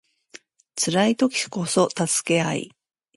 辛い時こそ助け合い